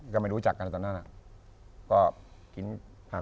คือไม่รู้จักกันแต่ตอนนั้น